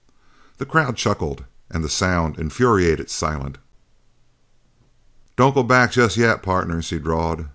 The crowd chuckled, and the sound infuriated Silent. "Don't go back jest yet, partners," he drawled.